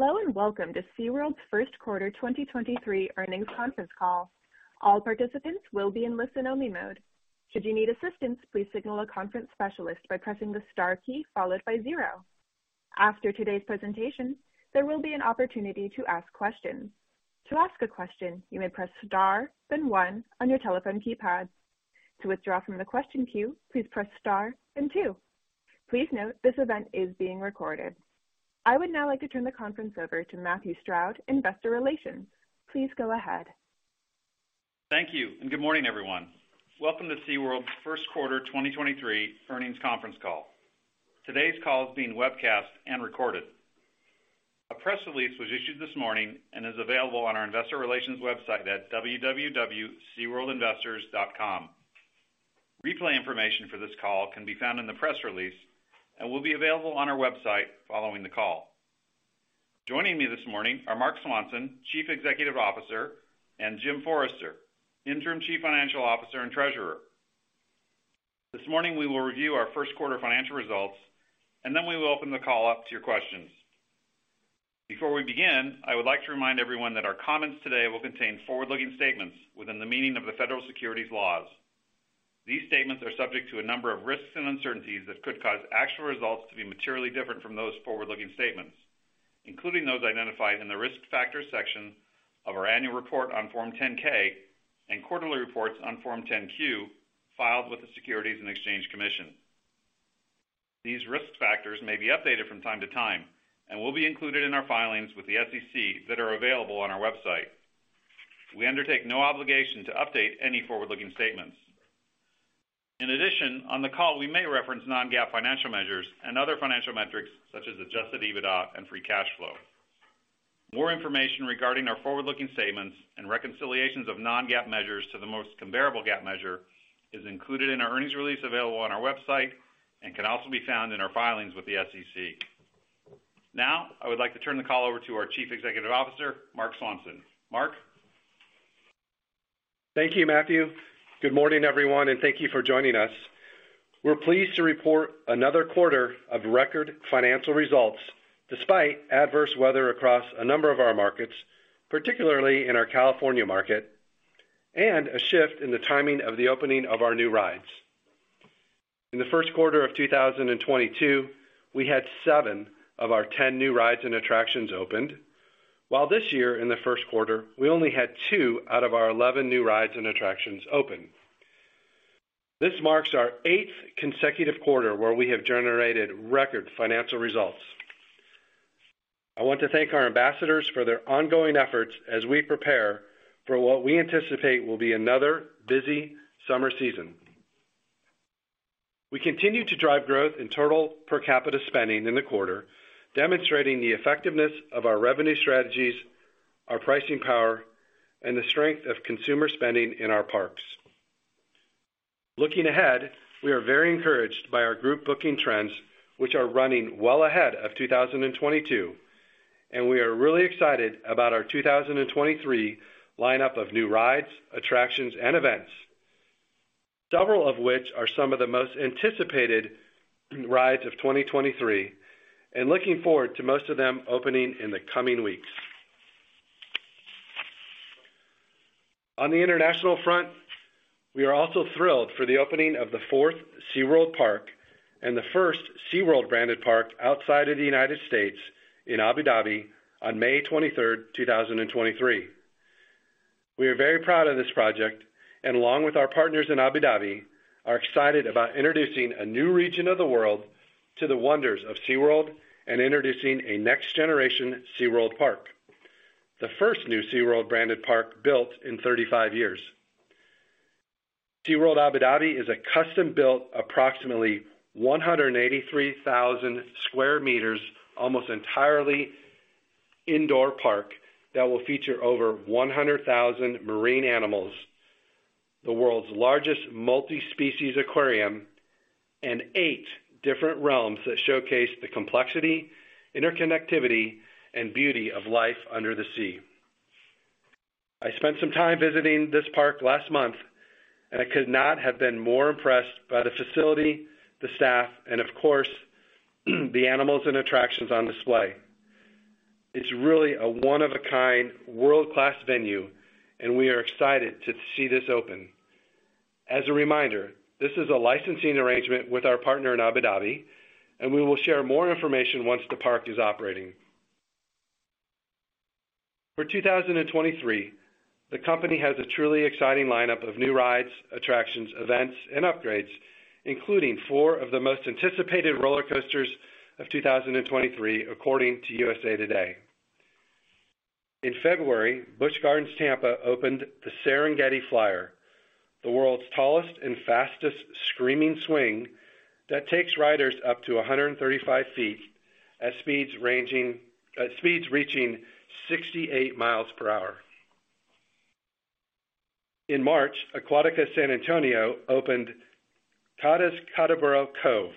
Hello, and welcome to SeaWorld's first quarter 2023 earnings conference call. All participants will be in listen only mode. Should you need assistance, please signal a conference specialist by pressing the star key followed by zero. After today's presentation, there will be an opportunity to ask questions. To ask a question, you may press star then one on your telephone keypad. To withdraw from the question queue, please press star then two. Please note this event is being recorded. I would now like to turn the conference over to Matthew Stroud, Investor Relations. Please go ahead. Thank you, and good morning, everyone. Welcome to SeaWorld's first quarter 2023 earnings conference call. Today's call is being webcast and recorded. A press release was issued this morning and is available on our investor relations website at www.seaworldinvestors.com. Replay information for this call can be found in the press release and will be available on our website following the call. Joining me this morning are Marc Swanson, Chief Executive Officer, and Jim Forrester, Interim Chief Financial Officer and Treasurer. This morning, we will review our first quarter financial results, and then we will open the call up to your questions. Before we begin, I would like to remind everyone that our comments today will contain forward-looking statements within the meaning of the federal securities laws. These statements are subject to a number of risks and uncertainties that could cause actual results to be materially different from those forward-looking statements, including those identified in the Risk Factors section of our annual report on Form 10-K and quarterly reports on Form 10-Q filed with the Securities and Exchange Commission. These risk factors may be updated from time to time and will be included in our filings with the SEC that are available on our website. We undertake no obligation to update any forward-looking statements. In addition, on the call, we may reference non-GAAP financial measures and other financial metrics such as Adjusted EBITDA and Free Cash Flow. More information regarding our forward-looking statements and reconciliations of non-GAAP measures to the most comparable GAAP measure is included in our earnings release available on our website and can also be found in our filings with the SEC. I would like to turn the call over to our Chief Executive Officer, Marc Swanson. Marc? Thank you, Matthew. Good morning, everyone, and thank you for joining us. We're pleased to report another quarter of record financial results despite adverse weather across a number of our markets, particularly in our California market, and a shift in the timing of the opening of our new rides. In the first quarter of 2022, we had seven of our 10 new rides and attractions opened, while this year in the first quarter, we only had two out of our 11 new rides and attractions open. This marks our eighth consecutive quarter where we have generated record financial results. I want to thank our ambassadors for their ongoing efforts as we prepare for what we anticipate will be another busy summer season. We continue to drive growth in total per capita spending in the quarter, demonstrating the effectiveness of our revenue strategies, our pricing power, and the strength of consumer spending in our parks. Looking ahead, we are very encouraged by our group booking trends, which are running well ahead of 2022, and we are really excited about our 2023 lineup of new rides, attractions, and events, several of which are some of the most anticipated rides of 2023 and looking forward to most of them opening in the coming weeks. On the international front, we are also thrilled for the opening of the fourth SeaWorld park and the first SeaWorld branded park outside of the United States in Abu Dhabi on May 23, 2023. We are very proud of this project along with our partners in Abu Dhabi, are excited about introducing a new region of the world to the wonders of SeaWorld and introducing a next generation SeaWorld park, the first new SeaWorld branded park built in 35 years. SeaWorld Abu Dhabi is a custom-built, approximately 183,000 sq meters, almost entirely indoor park that will feature over 100,000 marine animals, the world's largest multi-species aquarium, and eight different realms that showcase the complexity, interconnectivity, and beauty of life under the sea. I spent some time visiting this park last month, I could not have been more impressed by the facility, the staff, and of course, the animals and attractions on display. It's really a one-of-a-kind world-class venue, we are excited to see this open. As a reminder, this is a licensing arrangement with our partner in Abu Dhabi, and we will share more information once the park is operating. For 2023, the company has a truly exciting lineup of new rides, attractions, events, and upgrades, including four of the most anticipated roller coasters of 2023, according to USA Today. In February, Busch Gardens Tampa Bay opened the Serengeti Flyer, the world's tallest and fastest screaming swing that takes riders up to 135 feet at speeds reaching 68 mi per hour. In March, Aquatica San Antonio opened Kata's Kookaburra Cove,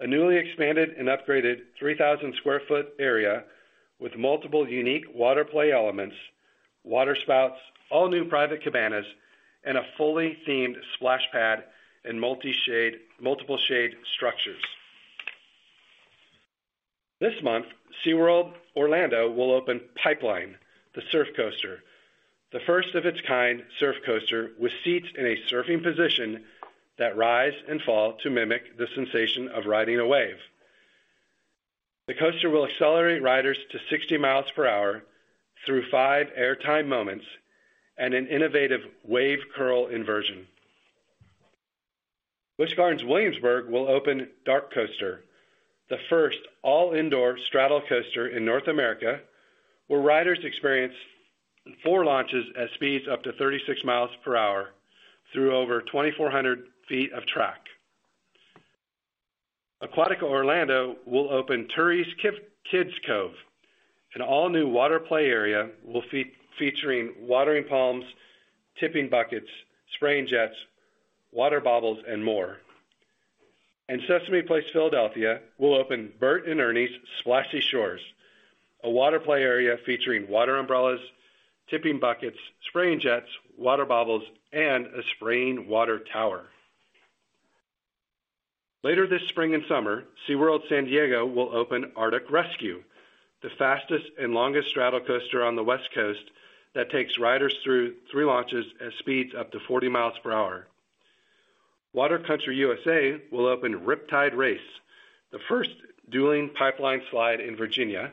a newly expanded and upgraded 3,000 sq ft area with multiple unique water play elements, water spouts, all new private cabanas, and a fully themed splash pad in multi-shade, multiple shade structures. This month, SeaWorld Orlando will open Pipeline, the surf coaster, the first of its kind surf coaster with seats in a surfing position that rise and fall to mimic the sensation of riding a wave. The coaster will accelerate riders to 60 mi per hour through five airtime moments and an innovative wave curl inversion. Busch Gardens Williamsburg will open DarKoaster, the first all-indoor straddle coaster in North America, where riders experience four launches at speeds up to 36 mi per hour through over 2,400 feet of track. Aquatica Orlando will open Turi's Kid Cove, an all-new water play area will featuring watering palms, tipping buckets, spraying jets, water bobbles, and more. Sesame Place Philadelphia will open Bert and Ernie's Splashy Shores, a water play area featuring water umbrellas, tipping buckets, spraying jets, water bobbles, and a spraying water tower. Later this spring and summer, SeaWorld San Diego will open Arctic Rescue, the fastest and longest straddle coaster on the West Coast that takes riders through three launches at speeds up to 40 mi per hour. Water Country USA will open Riptide Race, the first dueling pipeline slide in Virginia.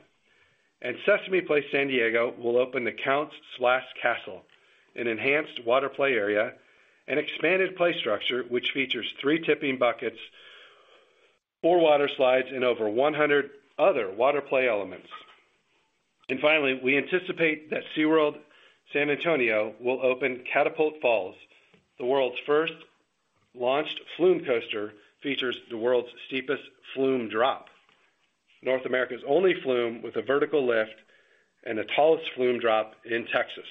Sesame Place San Diego will open The Count's Splash Castle, an enhanced water play area and expanded play structure, which features three tipping buckets, four water slides, and over 100 other water play elements. Finally, we anticipate that SeaWorld San Antonio will open Catapult Falls, the world's first launched flume coaster, features the world's steepest flume drop. North America's only flume with a vertical lift and the tallest flume drop in Texas.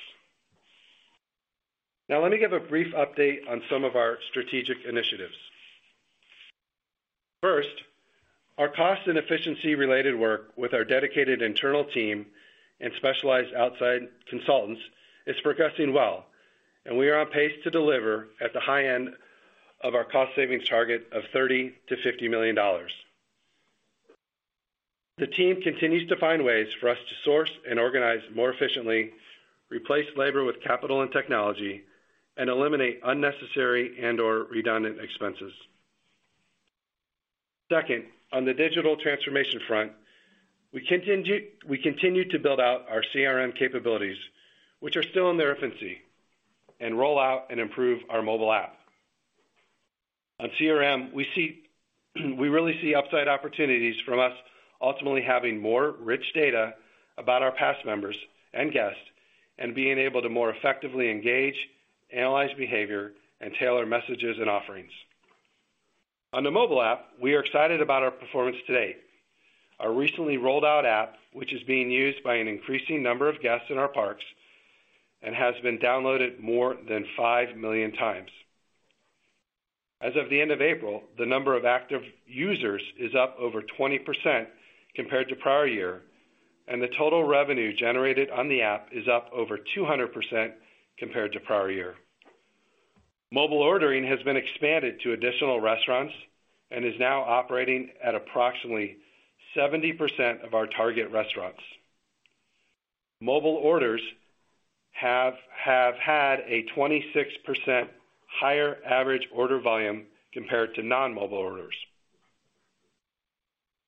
Now, let me give a brief update on some of our strategic initiatives. First, our cost and efficiency-related work with our dedicated internal team and specialized outside consultants is progressing well, and we are on pace to deliver at the high end of our cost savings target of $30 million-$50 million. The team continues to find ways for us to source and organize more efficiently, replace labor with capital and technology, and eliminate unnecessary and/or redundant expenses. Second, on the digital transformation front, we continue to build out our CRM capabilities, which are still in their infancy, and roll out and improve our mobile app. On CRM, we really see upside opportunities from us ultimately having more rich data about our pass members and guests and being able to more effectively engage, analyze behavior, and tailor messages and offerings. On the mobile app, we are excited about our performance today. Our recently rolled out app, which is being used by an increasing number of guests in our parks and has been downloaded more than 5 million times. As of the end of April, the number of active users is up over 20% compared to prior year, and the total revenue generated on the app is up over 200% compared to prior year. Mobile ordering has been expanded to additional restaurants and is now operating at approximately 70% of our target restaurants. Mobile orders have had a 26% higher average order volume compared to non-mobile orders.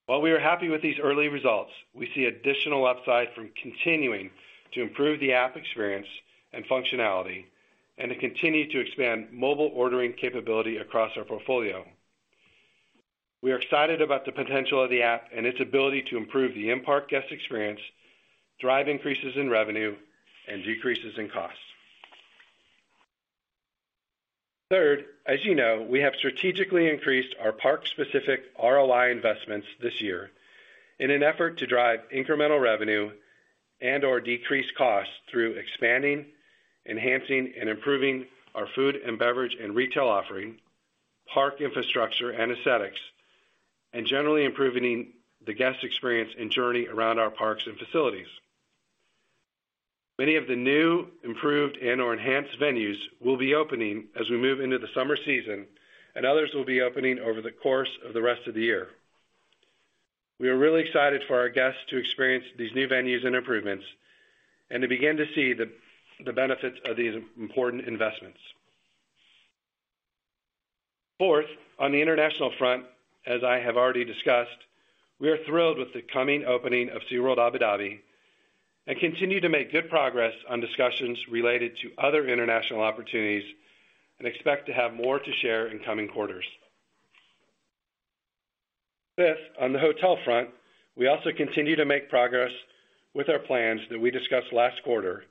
While we are happy with these early results, we see additional upside from continuing to improve the app experience and functionality and to continue to expand mobile ordering capability across our portfolio. We are excited about the potential of the app and its ability to improve the in-park guest experience, drive increases in revenue and decreases in costs. Third, as you know, we have strategically increased our park-specific ROI investments this year in an effort to drive incremental revenue and/or decrease costs through expanding, enhancing, and improving our food and beverage and retail offering, park infrastructure and aesthetics, and generally improving the guest experience and journey around our parks and facilities. Many of the new, improved, and/or enhanced venues will be opening as we move into the summer season, and others will be opening over the course of the rest of the year. We are really excited for our guests to experience these new venues and improvements and to begin to see the benefits of these important investments. Fourth, on the international front, as I have already discussed, we are thrilled with the coming opening of SeaWorld Abu Dhabi and continue to make good progress on discussions related to other international opportunities and expect to have more to share in coming quarters. Fifth, on the hotel front, we also continue to make progress with our plans that we discussed last quarter,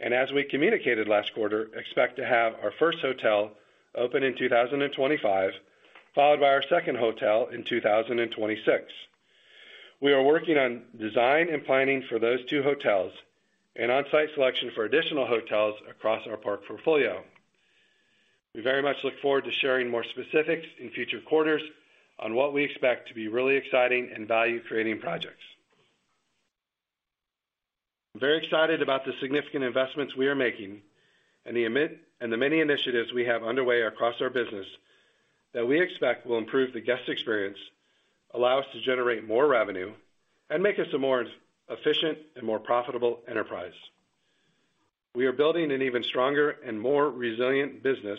and as we communicated last quarter, expect to have our first hotel open in 2025, followed by our second hotel in 2026. We are working on design and planning for those two hotels and on-site selection for additional hotels across our park portfolio. We very much look forward to sharing more specifics in future quarters on what we expect to be really exciting and value-creating projects. I'm very excited about the significant investments we are making and the many initiatives we have underway across our business that we expect will improve the guest experience, allow us to generate more revenue, and make us a more efficient and more profitable enterprise. We are building an even stronger and more resilient business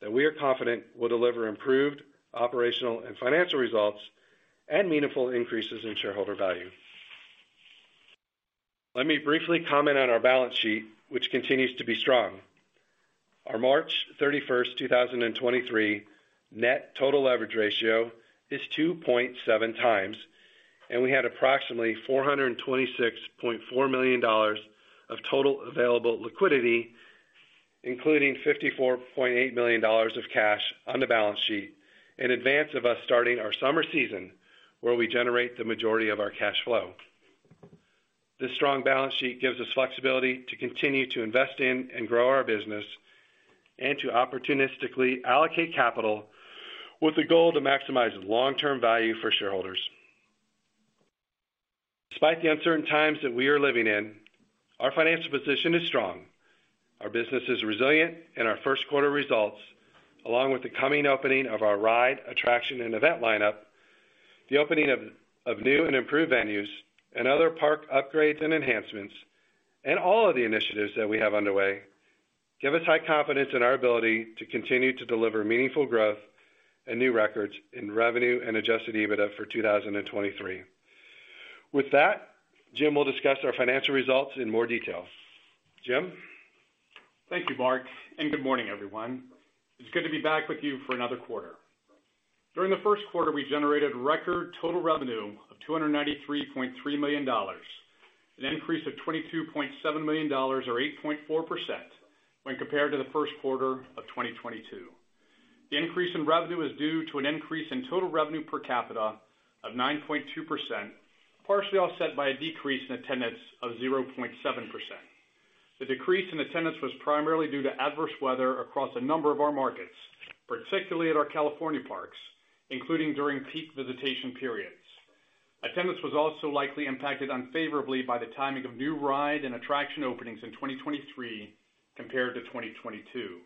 that we are confident will deliver improved operational and financial results and meaningful increases in shareholder value. Let me briefly comment on our balance sheet, which continues to be strong. Our March 31, 2023 net total leverage ratio is 2.7x, and we had approximately $426.4 million of total available liquidity, including $54.8 million of cash on the balance sheet in advance of us starting our summer season, where we generate the majority of our cash flow. This strong balance sheet gives us flexibility to continue to invest in and grow our business and to opportunistically allocate capital with the goal to maximize long-term value for shareholders. Despite the uncertain times that we are living in, our financial position is strong. Our business is resilient. Our first quarter results, along with the coming opening of our ride, attraction, and event lineup, the opening of new and improved venues and other park upgrades and enhancements, and all of the initiatives that we have underway give us high confidence in our ability to continue to deliver meaningful growth and new records in revenue and Adjusted EBITDA for 2023. With that, Jim will discuss our financial results in more detail. Jim? Thank you, Marc. Good morning, everyone. It's good to be back with you for another quarter. During the first quarter, we generated record total revenue of $293.3 million, an increase of $22.7 million or 8.4% when compared to the first quarter of 2022. The increase in revenue is due to an increase in total revenue per capita of 9.2%, partially offset by a decrease in attendance of 0.7%. The decrease in attendance was primarily due to adverse weather across a number of our markets, particularly at our California parks, including during peak visitation periods. Attendance was also likely impacted unfavorably by the timing of new ride and attraction openings in 2023 compared to 2022.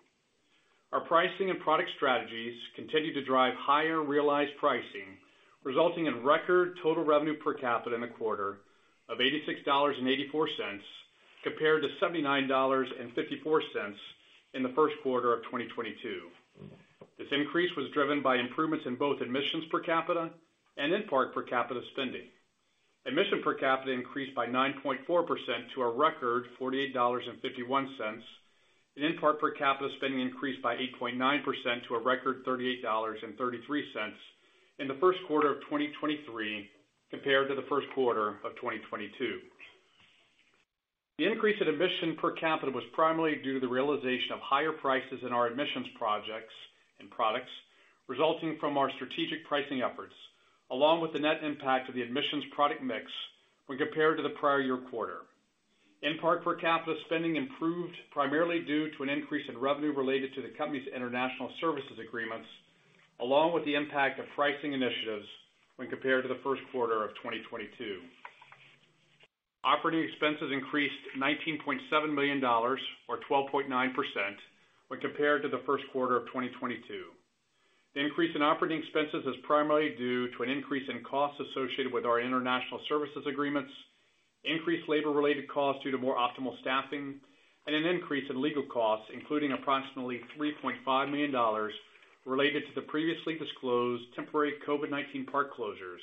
Our pricing and product strategies continued to drive higher realized pricing, resulting in record total revenue per capita in the quarter of $86.84 compared to $79.54 in the first quarter of 2022. This increase was driven by improvements in both admissions per capita and in-park per capita spending. Admissions per capita increased by 9.4% to a record $48.51, and in-park per capita spending increased by 8.9% to a record $38.33 in the first quarter of 2023 compared to the first quarter of 2022. The increase in admissions per capita was primarily due to the realization of higher prices in our admissions projects and products resulting from our strategic pricing efforts, along with the net impact of the admissions product mix when compared to the prior year quarter. In-park per capita spending improved primarily due to an increase in revenue related to the company's international services agreements, along with the impact of pricing initiatives when compared to the first quarter of 2022. Operating expenses increased $19.7 million or 12.9% when compared to the first quarter of 2022. The increase in operating expenses is primarily due to an increase in costs associated with our international services agreements, increased labor-related costs due to more optimal staffing, and an increase in legal costs, including approximately $3.5 million related to the previously disclosed temporary COVID-19 park closures,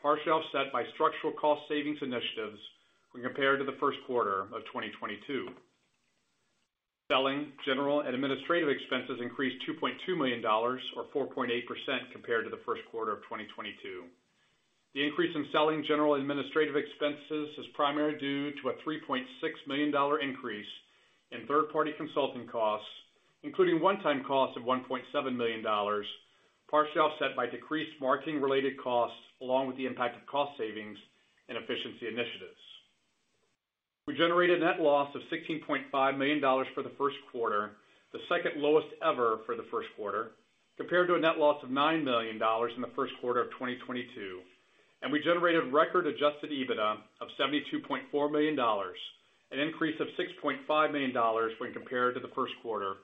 partially offset by structural cost savings initiatives when compared to the first quarter of 2022. Selling, general, and administrative expenses increased $2.2 million or 4.8% compared to the first quarter of 2022. The increase in Selling, General, and Administrative expenses is primarily due to a $3.6 million increase in third-party consulting costs, including one-time costs of $1.7 million, partially offset by decreased marketing-related costs along with the impact of cost savings and efficiency initiatives. We generated net loss of $16.5 million for the first quarter, the second lowest ever for the first quarter, compared to a net loss of $9 million in the first quarter of 2022. We generated record Adjusted EBITDA of $72.4 million, an increase of $6.5 million when compared to the first quarter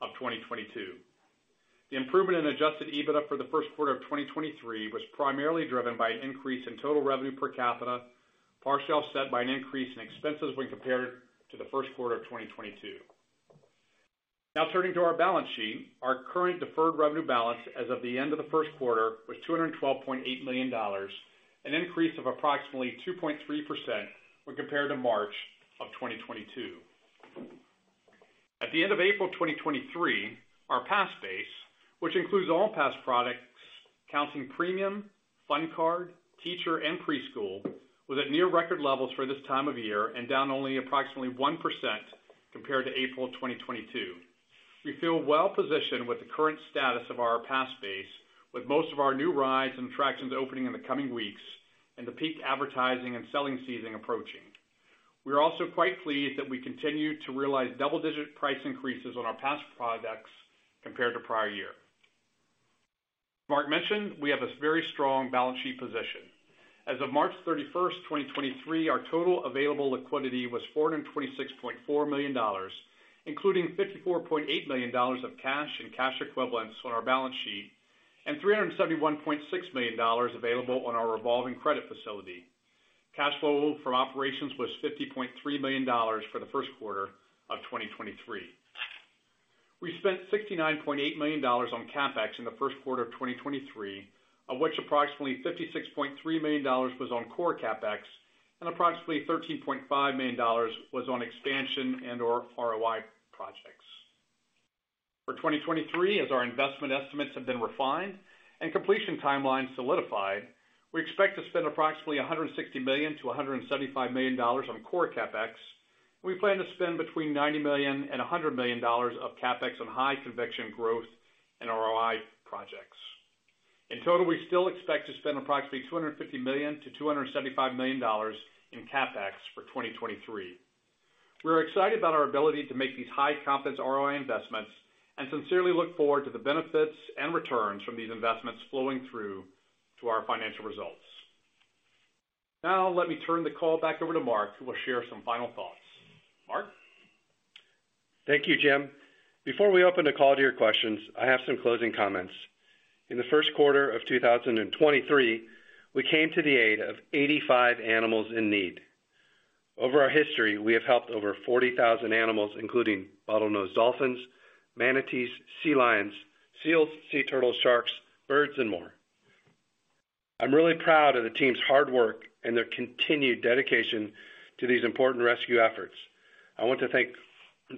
of 2022. The improvement in Adjusted EBITDA for the first quarter of 2023 was primarily driven by an increase in total revenue per capita, partially offset by an increase in expenses when compared to the first quarter of 2022. Turning to our balance sheet. Our current deferred revenue balance as of the end of the first quarter was $212.8 million, an increase of approximately 2.3% when compared to March of 2022. At the end of April 2023, our pass base, which includes all pass products accounting Premium, Fun Card, Teacher, and Preschool, was at near record levels for this time of year and down only approximately 1% compared to April 2022. We feel well-positioned with the current status of our pass base with most of our new rides and attractions opening in the coming weeks and the peak advertising and selling season approaching. We are also quite pleased that we continue to realize double-digit price increases on our pass products compared to prior year. Marc Swanson mentioned we have a very strong balance sheet position. As of March 31, 2023, our total available liquidity was $426.4 million, including $54.8 million of cash and cash equivalents on our balance sheet, and $371.6 million available on our revolving credit facility. Cash flow from operations was $50.3 million for the first quarter of 2023. We spent $69.8 million on CapEx in the first quarter of 2023, of which approximately $56.3 million was on core CapEx and approximately $13.5 million was on expansion and/or ROI projects. For 2023, as our investment estimates have been refined and completion timelines solidified, we expect to spend approximately $160 million-$175 million on core CapEx. We plan to spend between $90 million and $100 million of CapEx on high conviction growth and ROI projects. In total, we still expect to spend approximately $250 million-$275 million in CapEx for 2023. We're excited about our ability to make these high-confidence ROI investments and sincerely look forward to the benefits and returns from these investments flowing through to our financial results. Now let me turn the call back over to Marc, who will share some final thoughts. Marc? Thank you, Jim. Before we open the call to your questions, I have some closing comments. In the first quarter of 2023, we came to the aid of 85 animals in need. Over our history, we have helped over 40,000 animals, including bottlenose dolphins, manatees, sea lions, seals, sea turtles, sharks, birds, and more. I'm really proud of the team's hard work and their continued dedication to these important rescue efforts. I want to thank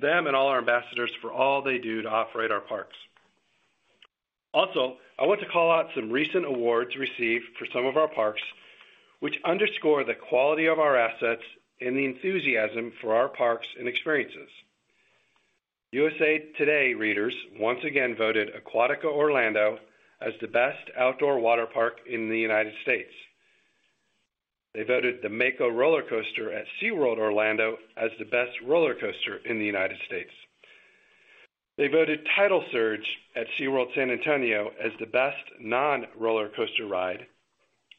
them and all our ambassadors for all they do to operate our parks. I want to call out some recent awards received for some of our parks, which underscore the quality of our assets and the enthusiasm for our parks and experiences. USA Today readers once again voted Aquatica Orlando as the best outdoor water park in the United States. They voted the Mako roller coaster at SeaWorld Orlando as the best roller coaster in the United States. They voted Tidal Surge at SeaWorld San Antonio as the best non-roller coaster ride.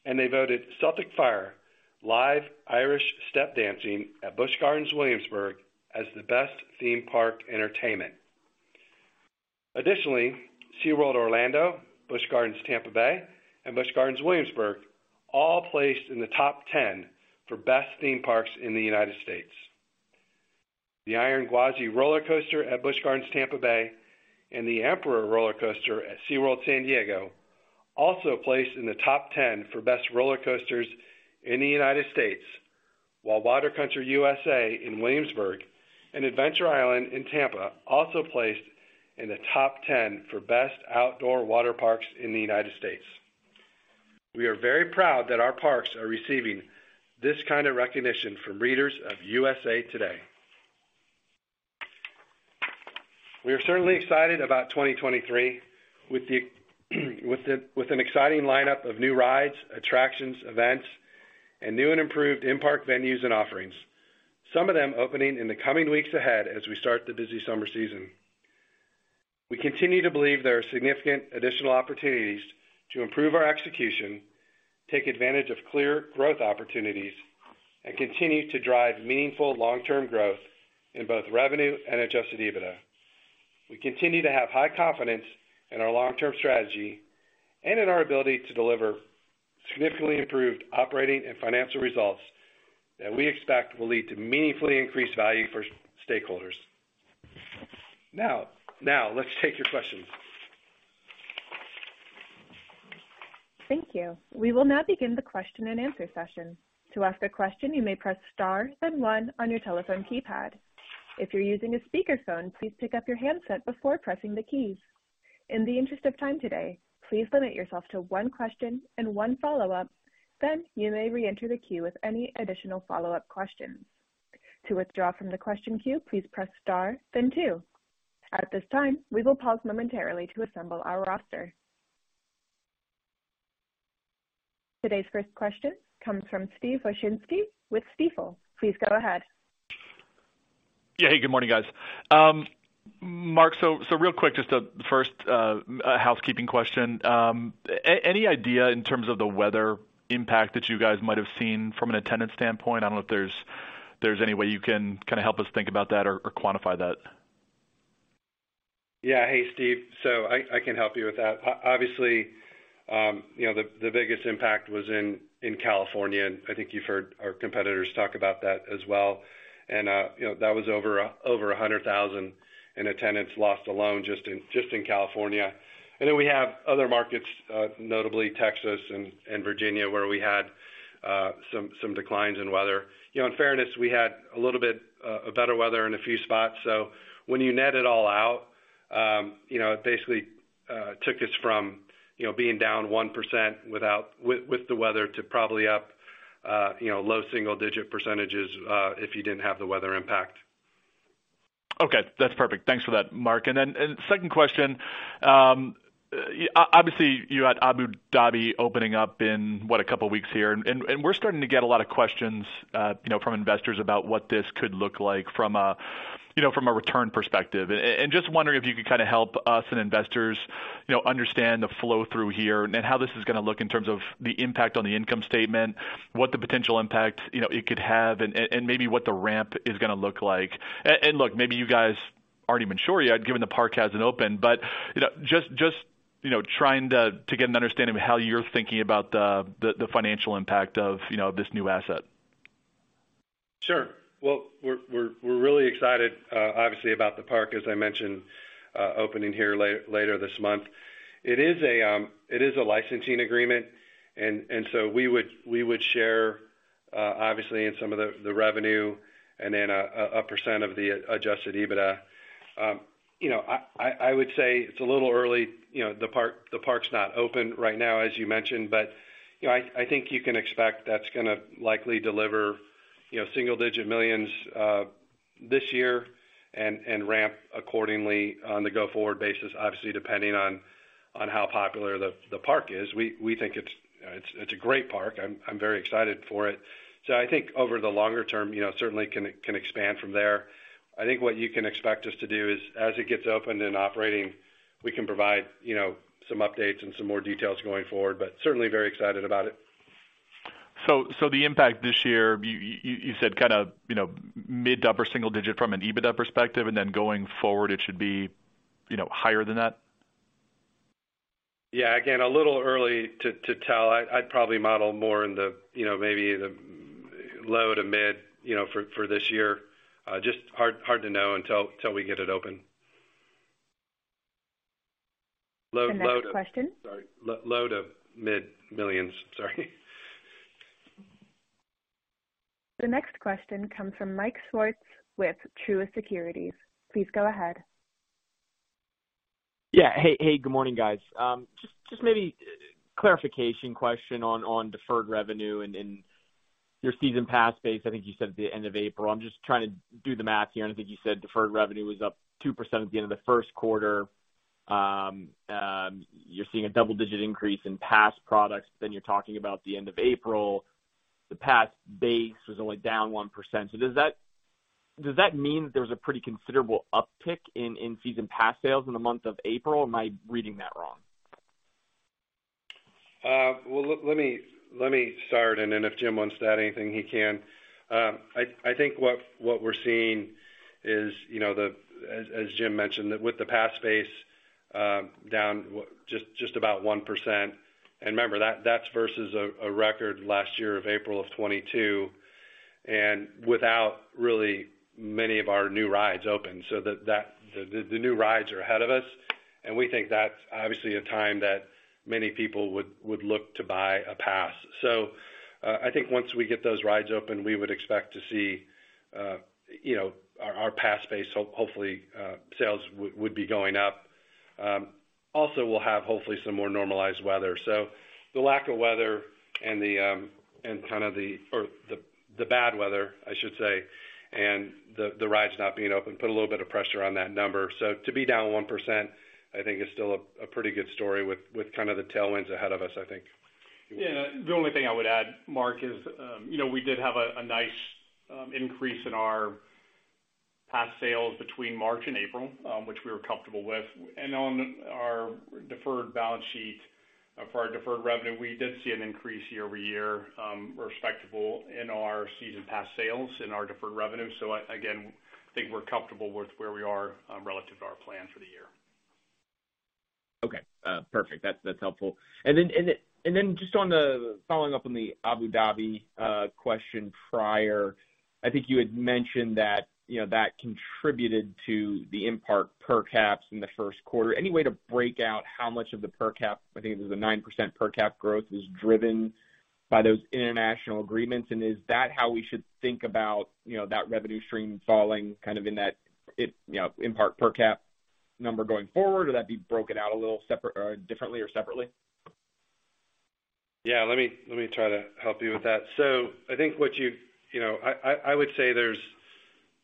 They voted Celtic Fyre, live Irish step dancing at Busch Gardens Williamsburg, as the best theme park entertainment. Additionally, SeaWorld Orlando, Busch Gardens Tampa Bay, and Busch Gardens Williamsburg all placed in the top 10 for best theme parks in the United States. The Iron Gwazi roller coaster at Busch Gardens Tampa Bay and the Emperor roller coaster at SeaWorld San Diego also placed in the top 10 for best roller coasters in the United States, while Water Country USA in Williamsburg and Adventure Island in Tampa also placed in the top 10 for best outdoor water parks in the United States. We are very proud that our parks are receiving this kind of recognition from readers of USA Today. We are certainly excited about 2023 with an exciting lineup of new rides, attractions, events, and new and improved in-park venues and offerings, some of them opening in the coming weeks ahead as we start the busy summer season. We continue to believe there are significant additional opportunities to improve our execution, take advantage of clear growth opportunities, and continue to drive meaningful long-term growth in both revenue and Adjusted EBITDA. We continue to have high confidence in our long-term strategy and in our ability to deliver significantly improved operating and financial results that we expect will lead to meaningfully increased value for stakeholders. Now let's take your questions. Thank you. We will now begin the question-and-answer session. To ask a question, you may press star then one on your telephone keypad. If you're using a speakerphone, please pick up your handset before pressing the keys. In the interest of time today, please limit yourself to one question and one follow-up. You may reenter the queue with any additional follow-up questions. To withdraw from the question queue, please press star then two. At this time, we will pause momentarily to assemble our roster. Today's first question comes from Steve Wieczynski with Stifel. Please go ahead. Yeah. Hey, good morning, guys. Marc, real quick, just first a housekeeping question. Any idea in terms of the weather impact that you guys might have seen from an attendance standpoint? I don't know if there's any way you can kinda help us think about that or quantify that. Yeah. Hey, Steve. I can help you with that. Obviously, you know, the biggest impact was in California, I think you've heard our competitors talk about that as well. You know, that was over 100,000 in attendance lost alone just in California. Then we have other markets, notably Texas and Virginia, where we had some declines in weather. You know, in fairness, we had a little bit better weather in a few spots. When you net it all out, you know, it basically took us from, you know, being down 1% with the weather to probably up, you know, low single-digit %, if you didn't have the weather impact. Okay, that's perfect. Thanks for that, Marc. Second question, obviously, you had SeaWorld Abu Dhabi opening up in, what? A couple of weeks here. We're starting to get a lot of questions, you know, from investors about what this could look like from a, you know, from a return perspective. And just wondering if you could kind of help us and investors, you know, understand the flow through here and how this is gonna look in terms of the impact on the income statement, what the potential impact, you know, it could have, and maybe what the ramp is gonna look like. And look, maybe you guys aren't even sure yet, given the park hasn't opened. You know, just, you know, trying to get an understanding of how you're thinking about the financial impact of, you know, this new asset? We're really excited, obviously about the park, as I mentioned, opening here later this month. It is a licensing agreement, and so we would share, obviously in some of the revenue and then a percent of the Adjusted EBITDA. You know, I would say it's a little early, you know, the park's not open right now, as you mentioned, but, you know, I think you can expect that's gonna likely deliver, you know, single-digit millions this year and ramp accordingly on the go forward basis, obviously, depending on how popular the park is. We think it's a great park. I'm very excited for it. I think over the longer term, you know, certainly can expand from there. I think what you can expect us to do is as it gets opened and operating, we can provide, you know, some updates and some more details going forward, but certainly very excited about it. The impact this year, you said kind of, you know, mid to upper single digit from an EBITDA perspective, and then going forward it should be, you know, higher than that? Yeah. Again, a little early to tell. I'd probably model more in the, you know, maybe the low to mid, you know, for this year. Just hard to know until we get it open. Low- The next question. Sorry. Low to mid-millions. Sorry. The next question comes from Mike Swartz with Truist Securities. Please go ahead. Hey, good morning, guys. just maybe clarification question on deferred revenue and your season pass base. I think you said at the end of April. I'm just trying to do the math here. I think you said deferred revenue was up 2% at the end of the first quarter. you're seeing a double-digit increase in pass products, but then you're talking about the end of April, the pass base was only down 1%. Does that mean that there was a pretty considerable uptick in season pass sales in the month of April, or am I reading that wrong? Well, let me start and then if Jim wants to add anything, he can. I think what we're seeing is, you know, as Jim mentioned, that with the pass base, down just about 1%. Remember that's versus a record last year of April of 2022 and without really many of our new rides open. The new rides are ahead of us, and we think that's obviously a time that many people would look to buy a pass. I think once we get those rides open, we would expect to see, you know, our pass base, hopefully, sales would be going up. Also we'll have hopefully some more normalized weather. The lack of weather and the bad weather, I should say, and the rides not being open, put a little bit of pressure on that number. To be down 1%, I think is still a pretty good story with kind of the tailwinds ahead of us, I think. Yeah. The only thing I would add, Marc, is, you know, we did have a nice increase in our pass sales between March and April, which we were comfortable with. On our deferred balance sheet for our deferred revenue, we did see an increase year-over-year, respectable in our season pass sales in our deferred revenue. Again, I think we're comfortable with where we are, relative to our plan for the year. Okay. Perfect. That's helpful. Then just on the following up on the Abu Dhabi question prior. I think you had mentioned that, you know, that contributed to the in-park per caps in the first quarter. Any way to break out how much of the per cap, I think it was a 9% per cap growth, is driven by those international agreements? Is that how we should think about, you know, that revenue stream falling kind of in that, you know, in-park per cap number going forward, or that be broken out a little separate, differently or separately? Let me try to help you with that. I think you know, I would say there's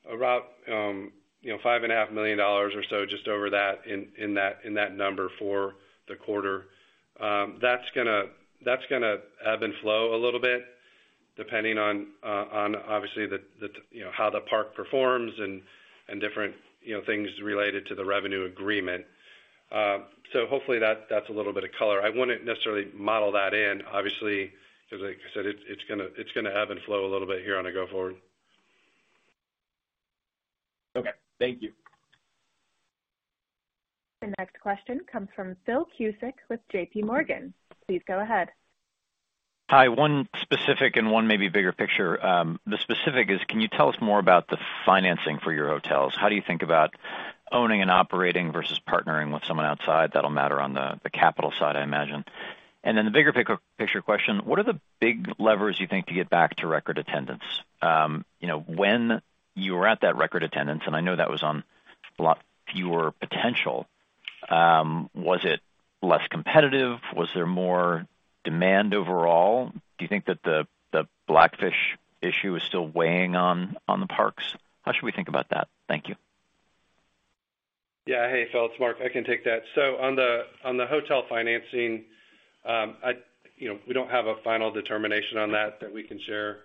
about, you know, five and a half million dollars or so just over that in that number for the quarter. That's gonna ebb and flow a little bit depending on obviously you know, how the park performs and different, you know, things related to the revenue agreement. Hopefully that's a little bit of color. I wouldn't necessarily model that in, obviously, because like I said, it's gonna ebb and flow a little bit here on the go forward. Okay. Thank you. The next question comes from Phil Cusick with JPMorgan. Please go ahead. Hi. One specific and one maybe bigger picture. The specific is, can you tell us more about the financing for your hotels? How do you think about owning and operating versus partnering with someone outside? That'll matter on the capital side, I imagine. The bigger picture question, what are the big levers you think to get back to record attendance? You know, when you were at that record attendance, I know that was on a lot fewer potential, was it less competitive? Was there more demand overall? Do you think that the Blackfish issue is still weighing on the parks? How should we think about that? Thank you. Yeah. Hey, Phil, it's Marc. I can take that. On the hotel financing, you know, we don't have a final determination on that that we can share.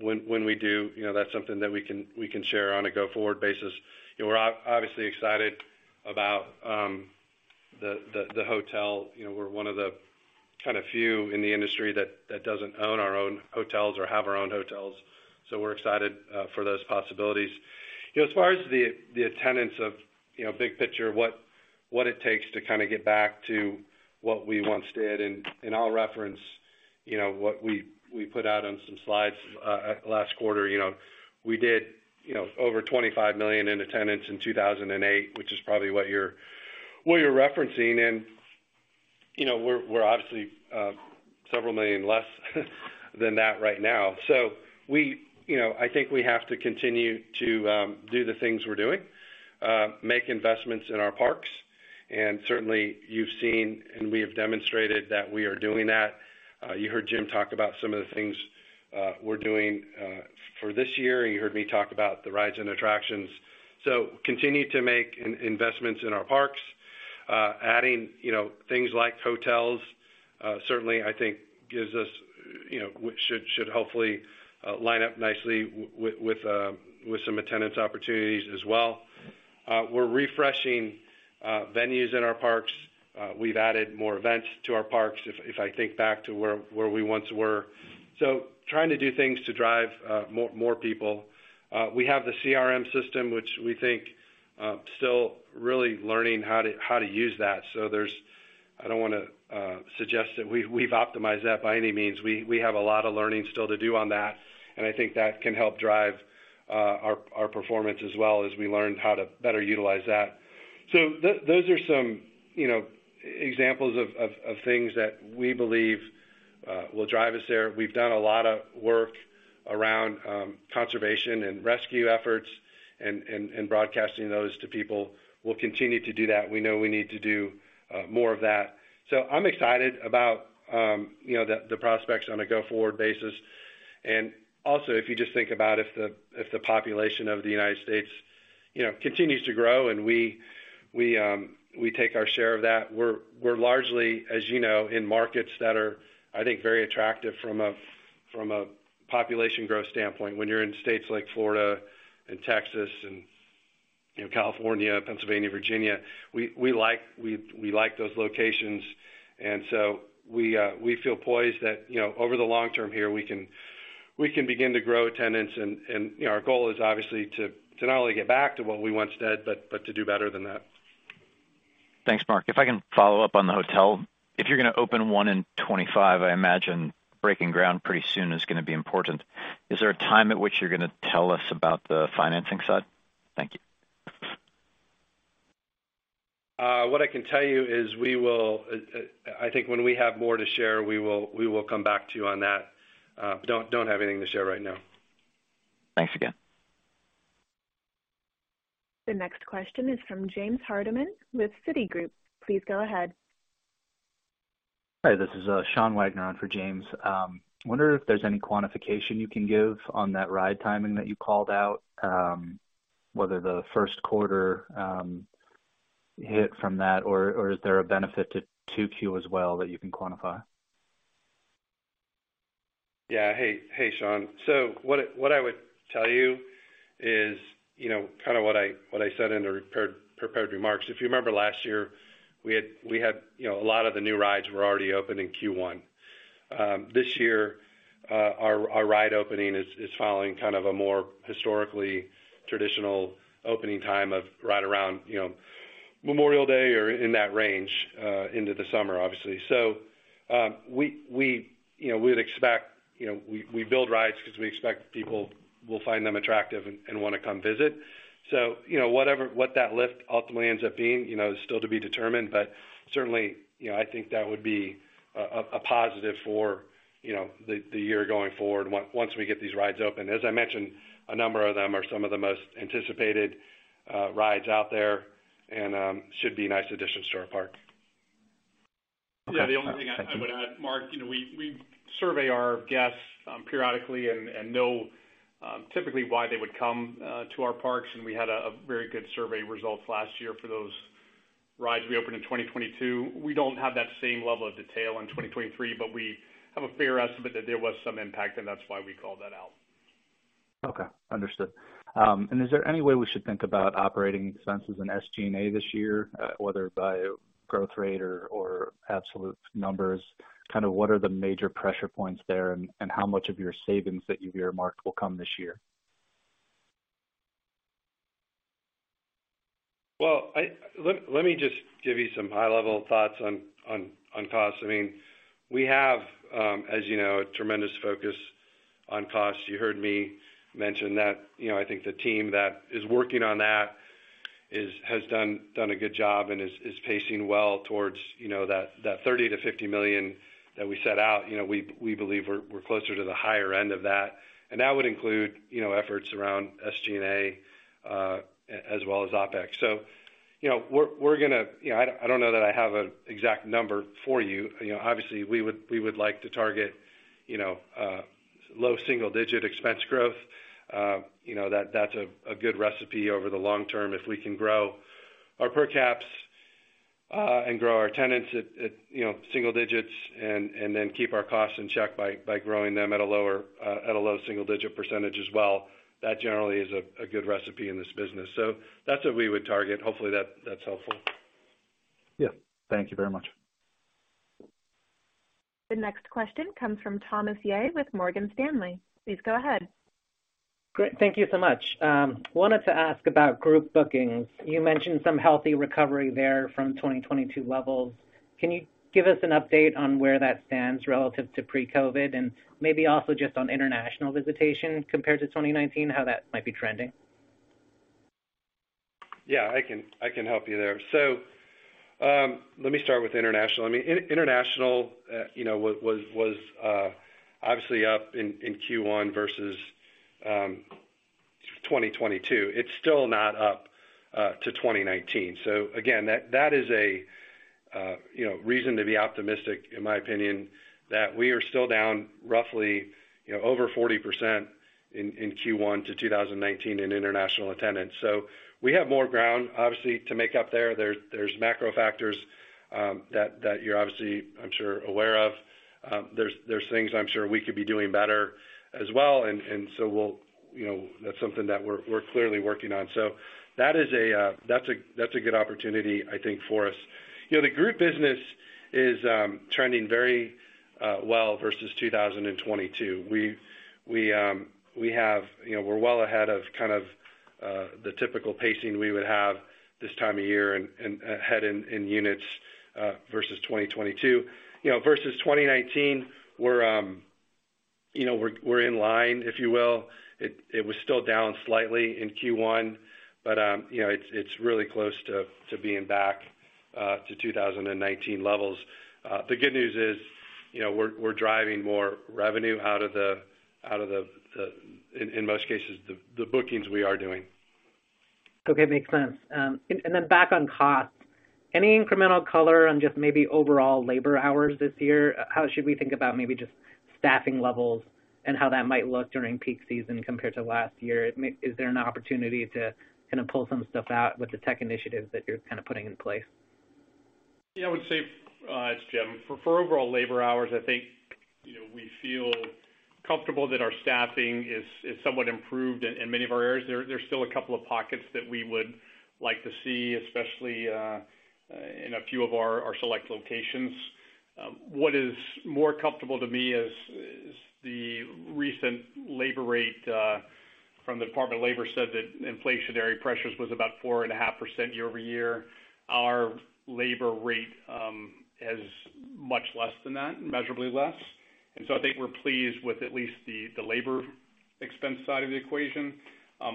When we do, you know, that's something that we can share on a go-forward basis. You know, we're obviously excited about the hotel. You know, we're one of the kind of few in the industry that doesn't own our own hotels or have our own hotels. We're excited for those possibilities. You know, as far as the attendance of, you know, big picture, what it takes to kind of get back to what we once did, and I'll reference, you know, what we put out on some slides last quarter. You know, we did, you know, over $25 million in attendance in 2008, which is probably what you're, what you're referencing. You know, we're obviously several million less than that right now. We, you know, I think we have to continue to do the things we're doing, make investments in our parks. Certainly, you've seen, and we have demonstrated that we are doing that. You heard Jim talk about some of the things we're doing for this year. You heard me talk about the rides and attractions. Continue to make investments in our parks. Adding, you know, things like hotels, certainly, I think gives us, you know, which should hopefully, line up nicely with some attendance opportunities as well. We're refreshing venues in our parks. We've added more events to our parks if I think back to where we once were. Trying to do things to drive more people. We have the CRM system, which we think still really learning how to use that. I don't wanna suggest that we've optimized that by any means. We have a lot of learning still to do on that, and I think that can help drive our performance as well as we learn how to better utilize that. Those are some, you know, examples of things that we believe will drive us there. We've done a lot of work around conservation and rescue efforts and broadcasting those to people. We'll continue to do that. We know we need to do more of that. I'm excited about, you know, the prospects on a go-forward basis. Also, if you just think about if the population of the United States, you know, continues to grow and we take our share of that, we're largely, as you know, in markets that are, I think, very attractive from a population growth standpoint when you're in states like Florida and Texas and, you know, California, Pennsylvania, Virginia. We like those locations. So we feel poised that, you know, over the long term here, we can begin to grow attendance and, you know, our goal is obviously to not only get back to what we once did, but to do better than that. Thanks, Marc. If I can follow up on the hotel. If you're gonna open one in 2025, I imagine breaking ground pretty soon is gonna be important. Is there a time at which you're gonna tell us about the financing side? Thank you. What I can tell you is we will, I think when we have more to share, we will come back to you on that. Don't have anything to share right now. Thanks again. The next question is from James Hardiman with Citigroup. Please go ahead. Hi, this is Sean Wagner on for James. Wondering if there's any quantification you can give on that ride timing that you called out, whether the first quarter hit from that or is there a benefit to 2Q as well that you can quantify? Yeah. Hey, Sean. What I would tell you is, you know, kind of what I said in the prepared remarks. If you remember last year, we had, you know, a lot of the new rides were already open in Q1. This year, our ride opening is following kind of a more historically traditional opening time of right around, you know, Memorial Day or in that range, into the summer, obviously. We, you know, we would expect, you know, we build rides because we expect people will find them attractive and wanna come visit. You know, whatever, what that lift ultimately ends up being, you know, is still to be determined. Certainly, you know, I think that would be a positive for, you know, the year going forward once we get these rides open. As I mentioned, a number of them are some of the most anticipated rides out there and should be a nice addition to our park. Yeah. Thank you. The only thing I would add, Marc, you know, we survey our guests periodically and know typically why they would come to our parks. We had a very good survey results last year for those rides we opened in 2022. We don't have that same level of detail in 2023. We have a fair estimate that there was some impact. That's why we called that out. Okay. Understood. Is there any way we should think about operating expenses in SG&A this year, whether by growth rate or absolute numbers? Kind of what are the major pressure points there, and how much of your savings that you've earmarked will come this year? Well, let me just give you some high-level thoughts on costs. I mean, we have, as you know, a tremendous focus on costs. You heard me mention that. You know, I think the team that is working on that has done a good job and is pacing well towards, you know, that $30 million-$50 million that we set out. You know, we believe we're closer to the higher end of that. That would include, you know, efforts around SG&A as well as OpEx. You know, I don't know that I have an exact number for you. You know, obviously, we would like to target, you know, low single-digit expense growth. you know, that's a good recipe over the long term if we can grow our per caps and grow our tenants at, you know, single digits and then keep our costs in check by growing them at a lower, at a low single-digit percentage as well. That generally is a good recipe in this business. That's what we would target. Hopefully that's helpful. Yeah. Thank you very much. The next question comes from Thomas Yeh with Morgan Stanley. Please go ahead. Great. Thank you so much. wanted to ask about group bookings. You mentioned some healthy recovery there from 2022 levels. Can you give us an update on where that stands relative to pre-COVID? maybe also just on international visitation compared to 2019, how that might be trending. Yeah, I can help you there. Let me start with international. I mean, international, you know, was obviously up in Q1 versus 2022. It's still not up to 2019. Again, that is a, you know, reason to be optimistic, in my opinion, that we are still down roughly, you know, over 40% in Q1 to 2019 in international attendance. We have more ground, obviously, to make up there. There's macro factors that you're obviously, I'm sure, aware of. There's things I'm sure we could be doing better as well. We'll, you know, that's something that we're clearly working on. That is a, that's a good opportunity, I think, for us. You know, the group business is trending very well versus 2022. We have, you know, we're well ahead of kind of the typical pacing we would have this time of year and ahead in units versus 2022. You know, versus 2019, we're, you know, we're in line, if you will. It was still down slightly in Q1, but, you know, it's really close to being back to 2019 levels. The good news is, you know, we're driving more revenue In most cases, the bookings we are doing. Okay. Makes sense. Back on costs. Any incremental color on just maybe overall labor hours this year? How should we think about maybe just staffing levels and how that might look during peak season compared to last year? Is there an opportunity to kinda pull some stuff out with the tech initiatives that you're kinda putting in place? Yeah, I would say, it's Jim. For overall labor hours, I think, you know, we feel comfortable that our staffing is somewhat improved in many of our areas. There's still a couple of pockets that we would like to see, especially in a few of our select locations. What is more comfortable to me is the recent labor rate from the Department of Labor said that inflationary pressures was about 4.5% year-over-year. Our labor rate is much less than that, measurably less. I think we're pleased with at least the labor expense side of the equation.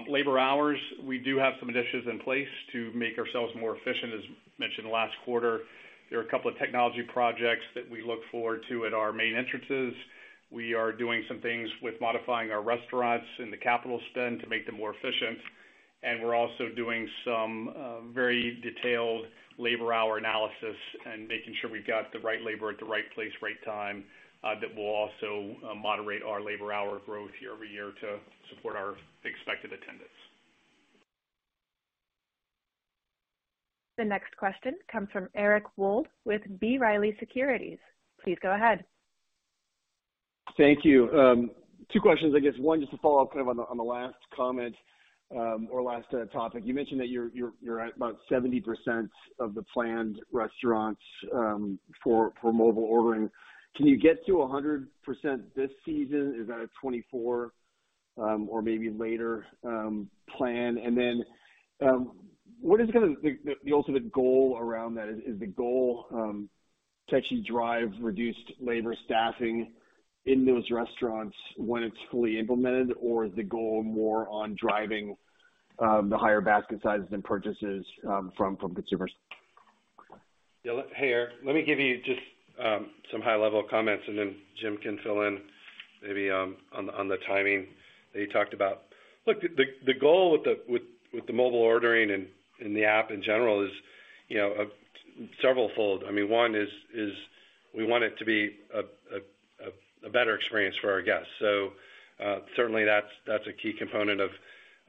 Labor hours, we do have some initiatives in place to make ourselves more efficient. As mentioned last quarter, there are a couple of technology projects that we look forward to at our main entrances. We are doing some things with modifying our restaurants in the capital spend to make them more efficient. We're also doing some very detailed labor hour analysis and making sure we've got the right labor at the right place, right time, that will also moderate our labor hour growth year-over-year to support our expected attendance. The next question comes from Eric Wold with B. Riley Securities. Please go ahead. Thank you. Two questions, I guess. One, just to follow up kind of on the last comment, or last topic. You mentioned that you're at about 70% of the planned restaurants for mobile ordering. Can you get to 100% this season? Is that a 2024, or maybe later, plan? What is kinda the ultimate goal around that? Is the goal to actually drive reduced labor staffing in those restaurants when it's fully implemented, or is the goal more on driving the higher basket sizes and purchases from consumers? Yeah. Hey, Eric. Let me give you just some high-level comments, and then Jim can fill in maybe on the timing that you talked about. Look, the goal with the mobile ordering and the app in general is, you know, severalfold. I mean, one is we want it to be a better experience for our guests. Certainly that's a key component of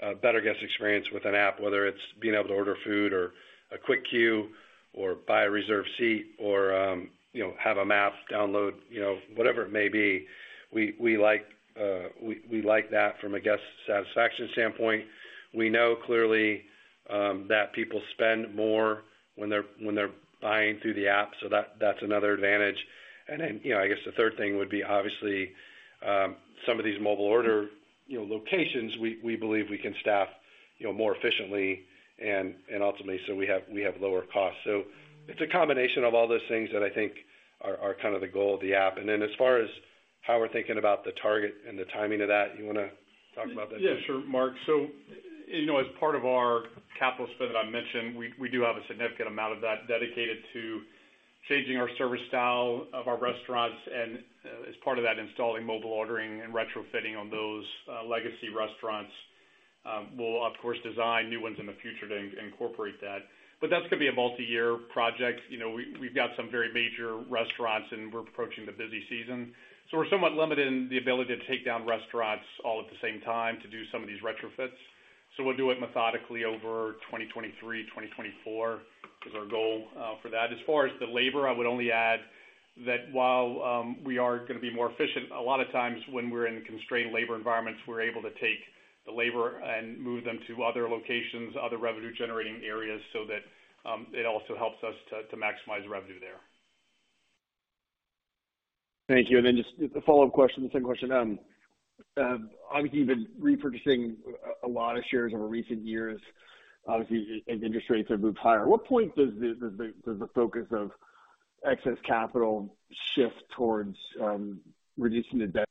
a better guest experience with an app, whether it's being able to order food or a Quick Queue or buy a reserved seat or, you know, have a map download, you know, whatever it may be. We, we like that from a guest satisfaction standpoint. We know clearly that people spend more when they're buying through the app, so that's another advantage. you know, I guess the third thing would be, obviously, some of these mobile order, you know, locations, we believe we can staff, you know, more efficiently and ultimately, so we have lower costs. It's a combination of all those things that I think are kind of the goal of the app. As far as how we're thinking about the target and the timing of that, you wanna talk about that? Yeah, sure, Marc. you know, as part of our capital spend that I mentioned, we do have a significant amount of that dedicated to Changing our service style of our restaurants, as part of that, installing mobile ordering and retrofitting on those legacy restaurants. We'll of course design new ones in the future to incorporate that. That's gonna be a multiyear project. You know, we've got some very major restaurants, and we're approaching the busy season. We're somewhat limited in the ability to take down restaurants all at the same time to do some of these retrofits, so we'll do it methodically over 2023, 2024 is our goal for that. As far as the labor, I would only add that while we are gonna be more efficient, a lot of times when we're in constrained labor environments, we're able to take the labor and move them to other locations, other revenue generating areas so that it also helps us to maximize revenue there. Thank you. Just a follow-up question, the same question. Obviously you've been repurchasing a lot of shares over recent years, as interest rates have moved higher. At what point does the focus of excess capital shift towards reducing the debt?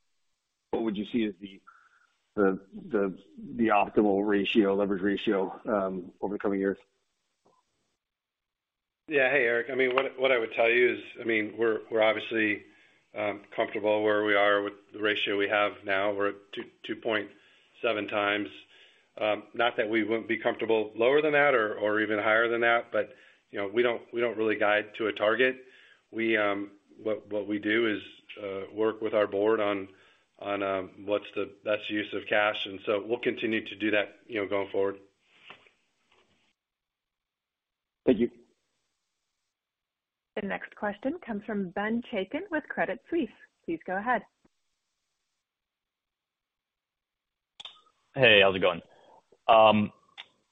What would you see as the optimal ratio, leverage ratio over the coming years? Yeah. Hey, Eric. I mean, what I would tell you is, I mean, we're obviously comfortable where we are with the ratio we have now. We're at 2.7x. Not that we wouldn't be comfortable lower than that or even higher than that, but, you know, we don't really guide to a target. What we do is work with our board on what's the best use of cash, and so we'll continue to do that, you know, going forward. Thank you. The next question comes from Ben Chaiken with Credit Suisse. Please go ahead. Hey, how's it going?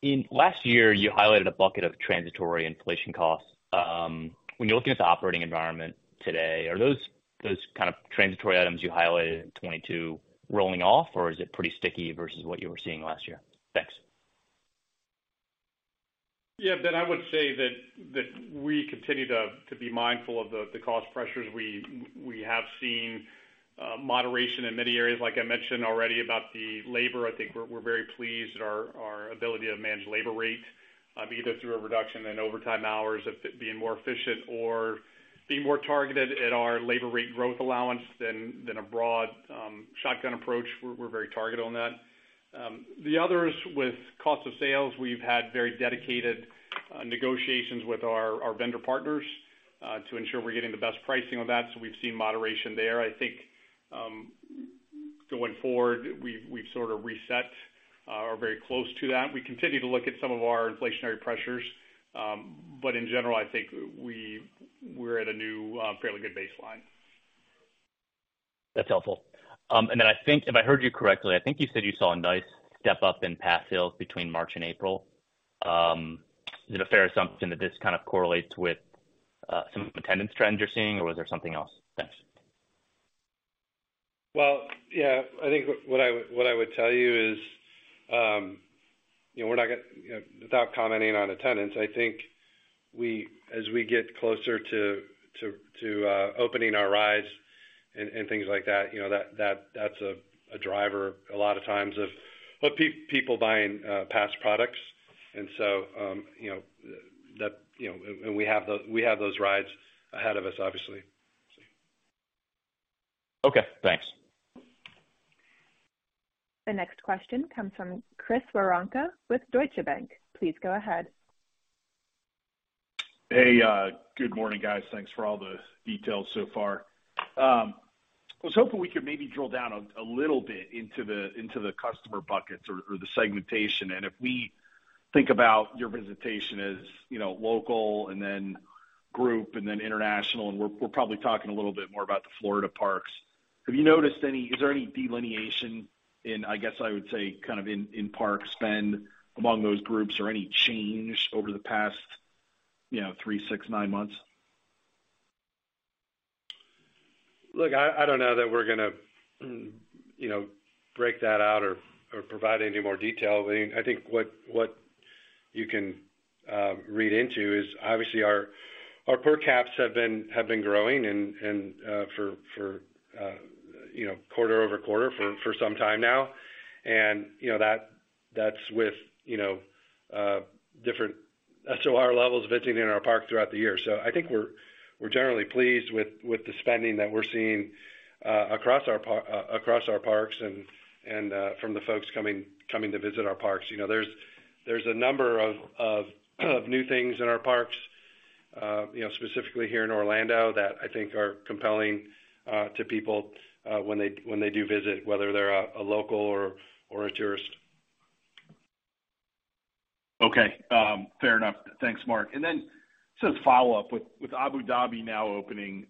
In last year you highlighted a bucket of transitory inflation costs. When you're looking at the operating environment today, are those kind of transitory items you highlighted in 2022 rolling off, or is it pretty sticky versus what you were seeing last year? Thanks. Yeah, Ben, I would say that we continue to be mindful of the cost pressures. We have seen moderation in many areas, like I mentioned already about the labor. I think we're very pleased at our ability to manage labor rate, either through a reduction in overtime hours, of it being more efficient or being more targeted at our labor rate growth allowance than a broad shotgun approach.W e're very targeted on that. The others with cost of sales, we've had very dedicated negotiations with our vendor partners to ensure we're getting the best pricing on that. We've seen moderation there. I think going forward, we've sort of reset or very close to that. We continue to look at some of our inflationary pressures. In general, I think we're at a new, fairly good baseline. That's helpful. I think if I heard you correctly, I think you said you saw a nice step up in pass sales between March and April. Is it a fair assumption that this kind of correlates with some of the attendance trends you're seeing, or was there something else? Thanks. Well, yeah. I think what I would tell you is, you know, we're not, you know, without commenting on attendance, I think we, as we get closer to opening our rides and things like that, you know, that's a driver a lot of times of what people buying pass products. You know, that, you know. We have those rides ahead of us, obviously. Okay, thanks. The next question comes from Chris Woronka with Deutsche Bank. Please go ahead. Hey, good morning, guys. Thanks for all the details so far. I was hoping we could maybe drill down a little bit into the customer buckets or the segmentation. If we think about your visitation as, you know, local and then group and then international, we're probably talking a little bit more about the Florida parks, Is there any delineation in, I guess I would say, kind of in park spend among those groups or any change over the past, you know, three, six, nine months? Look, I don't know that we're gonna, you know, break that out or provide any more detail. I mean, I think what you can read into is obviously our per caps have been growing and, for, you know, quarter-over-quarter for some time now. And, you know, that's with, you know, different SOR levels visiting in our parks throughout the year. So I think we're generally pleased with the spending that we're seeing across our parks and, from the folks coming to visit our parks. You know, there's a number of new things in our parks, you know, specifically here in Orlando that I think are compelling to people when they do visit, whether they're a local or a tourist. Okay. fair enough. Thanks, Marc. Just as a follow-up, with Abu Dhabi now opening,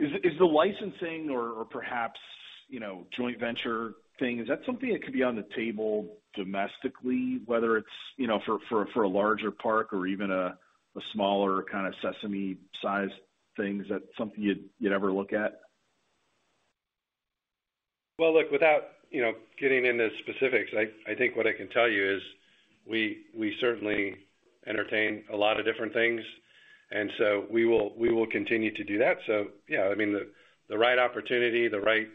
is the licensing or perhaps, you know, joint venture thing, is that something that could be on the table domestically, whether it's, you know, for a larger park or even a smaller kind of Sesame size thing? Is that something you'd ever look at? Well, look, without, you know, getting into specifics, I think what I can tell you is we certainly entertain a lot of different things, we will continue to do that. Yeah, I mean, the right opportunity, the right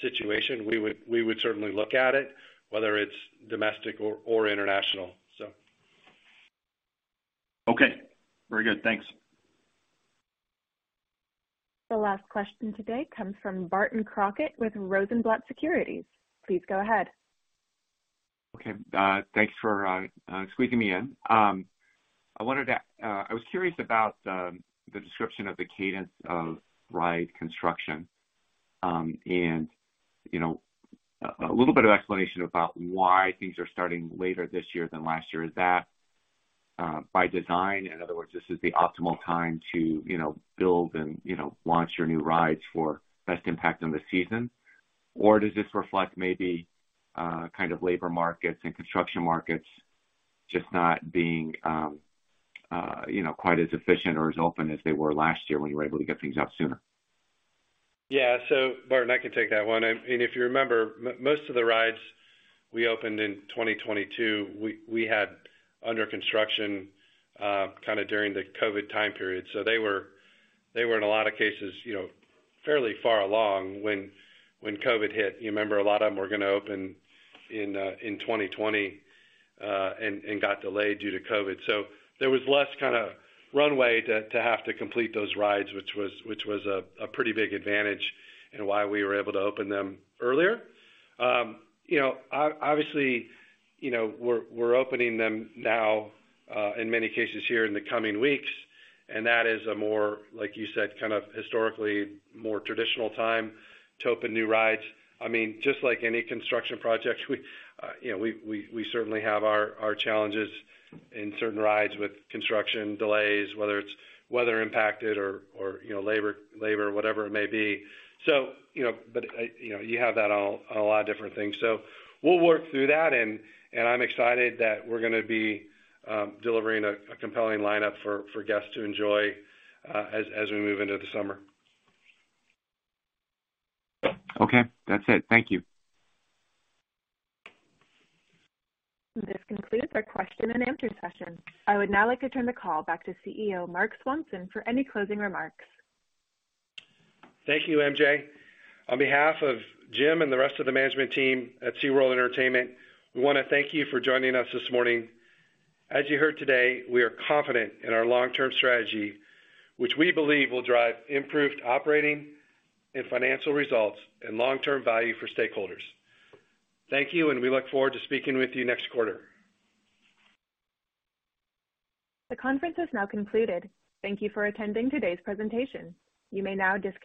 situation, we would certainly look at it, whether it's domestic or international, so. Okay, very good. Thanks. The last question today comes from Barton Crockett with Rosenblatt Securities. Please go ahead. Okay. Thanks for squeezing me in. I was curious about the description of the cadence of ride construction. You know, a little bit of explanation about why things are starting later this year than last year. Is that by design? In other words, this is the optimal time to, you know, build and, you know, launch your new rides for best impact on the season. Or does this reflect maybe kind of labor markets and construction markets just not being, you know, quite as efficient or as open as they were last year when you were able to get things out sooner? Yeah. Barton, I can take that one. If you remember, most of the rides we opened in 2022, we had under construction kind of during the COVID time period. They were in a lot of cases, you know, fairly far along when COVID hit. You remember a lot of them were gonna open in 2020 and got delayed due to COVID. There was less kinda runway to have to complete those rides, which was a pretty big advantage and why we were able to open them earlier. You know, obviously, you know, we're opening them now in many cases here in the coming weeks, and that is a more, like you said, kind of historically more traditional time to open new rides. I mean, just like any construction project we, you know, we certainly have our challenges in certain rides with construction delays, whether it's weather impacted or, you know, labor, whatever it may be. You know, you have that on a lot of different things. We'll work through that, and I'm excited that we're gonna be delivering a compelling lineup for guests to enjoy as we move into the summer. Okay. That's it. Thank you. This concludes our question-and-answer session. I would now like to turn the call back to CEO Marc Swanson for any closing remarks. Thank you, MJ. On behalf of Jim and the rest of the management team at United Parks & Resorts, we wanna thank you for joining us this morning. As you heard today, we are confident in our long-term strategy, which we believe will drive improved operating and financial results and long-term value for stakeholders. Thank you. We look forward to speaking with you next quarter. The conference is now concluded. Thank you for attending today's presentation. You may now disconnect.